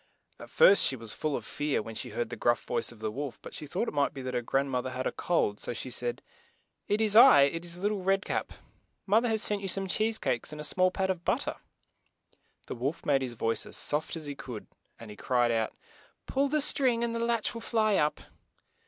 At first she was full of fear, when she heard the gruff voice of the wolf, but she thought it might be that her grand moth er had a cold, so she said, "It is I; it is Lit tle Red Cap. Moth er has sent you some cheese cakes and a small pat of but ter." The wolf made his voice as soft as he could as he cried out, "Pull the string and the latch will fly up."